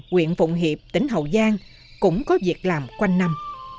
nguyện phụng hiệp tỉnh hậu giang cũng có việc làm quanh năm